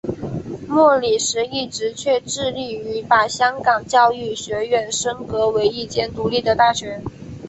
莫礼时一直却致力于把香港教育学院升格为一间独立的大学。